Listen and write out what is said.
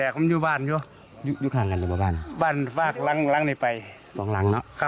ครับแล้วเป็นอย่างไรบะ